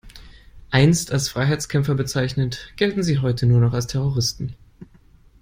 Einst als Freiheitskämpfer bezeichnet, gelten sie heute nur noch als Terroristen.